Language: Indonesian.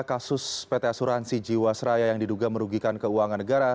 kasus pt asuransi jiwasraya yang diduga merugikan keuangan negara